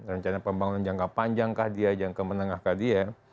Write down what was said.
rencana pembangunan jangka panjang kah dia jangka menengah kah dia